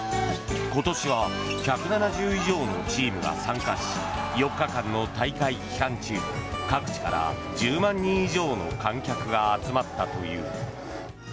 今年は１７０以上のチームが参加し４日間の大会期間中各地から１０万人以上の観客が集まったという。